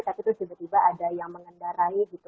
tapi terus tiba tiba ada yang mengendarai gitu